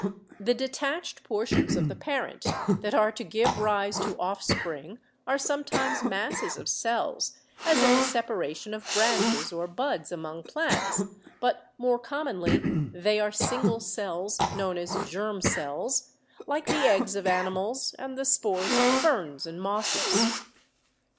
The detached portions of the parent that are to give rise to offspring are sometimes masses of cells, as in the separation of branches or buds among plants, but more commonly they are single cells, known as germ cells, like the eggs of animals and the spores of ferns and mosses.